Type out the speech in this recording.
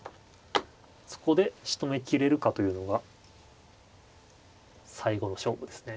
そこでしとめきれるかというのが最後の勝負ですね。